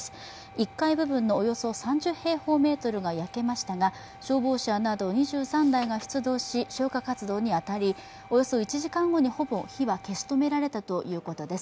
１階部分のおよそ３０平方メートルが焼けましたが消防車など２３台が出動し消火活動に当たりおよそ１時間後に、ほぼ火は消し止められたということです。